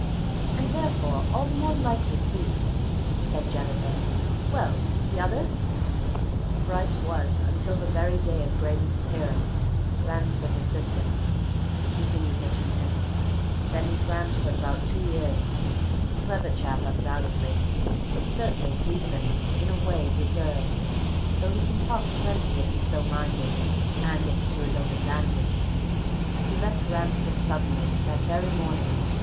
"And therefore all the more likely to be!" said Jettison. "Well the other?" "Bryce was until the very day of Braden's appearance, Ransford's assistant," continued Mitchington. "Been with Ransford about two years. Clever chap, undoubtedly, but certainly deep and, in a way, reserved, though he can talk plenty if he's so minded and it's to his own advantage. He left Ransford suddenly that very morning.